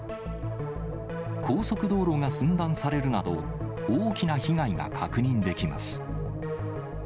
高速道路が寸断されるなど、大きな被害が確認できます。